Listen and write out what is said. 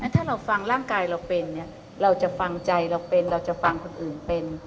ถ้าเราฟังร่างกายเราเป็นเราจะฟังใจเราเป็นเราจะฟังคนอื่นเป็น